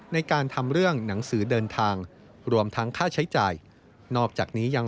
ในการทำเรื่องหนังสือเดินทางรวมทั้งค่าใช้จ่าย